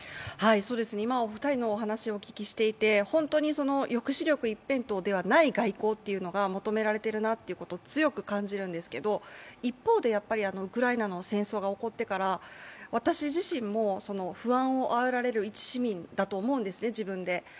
本当に抑止力一辺倒ではない外交というのが求められているなということを強く感じるんですけど一方で、ウクライナの戦争が起こってから、私自身も不安をあおられる一市民だと思うんですね、自分で。